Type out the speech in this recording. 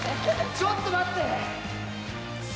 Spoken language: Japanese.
ちょっと待って。